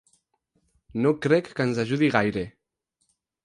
No crec que ens ajudi gaire.